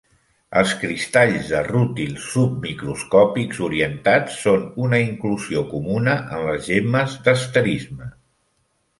Els cristalls de rútil submicroscópics orientats són una inclusió comuna en les gemmes d'asterisme.